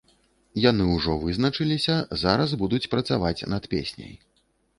Яны ўжо вызначыліся, зараз будуць працаваць над песняй.